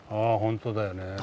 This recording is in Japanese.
本当だよね。